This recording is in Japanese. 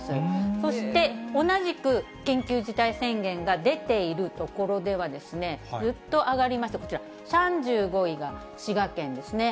そして、同じく緊急事態宣言が出ている所ではですね、ぐっと上がりまして、こちら、３５位が滋賀県ですね。